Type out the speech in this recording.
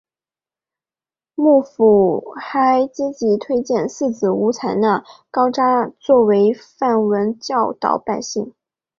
幕府还积极推荐寺子屋采纳高札作为范文教导百姓。